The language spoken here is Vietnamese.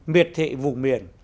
miệt thị vùng miền